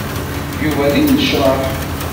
Yuba d imnecṛaḥ.